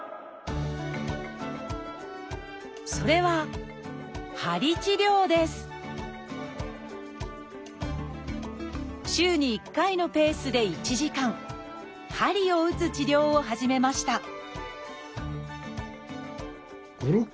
それは週に１回のペースで１時間鍼を打つ治療を始めました